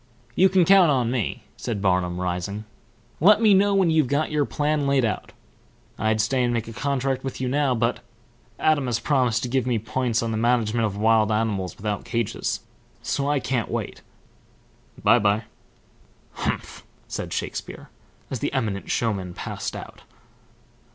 "You can count on me," said Barnum, rising. "Let me know when you've got your plan laid out. I'd stay and make a contract with you now, but Adam has promised to give me points on the management of wild animals without cages, so I can't wait. By by." "Humph!" said Shakespeare, as the eminent showman passed out.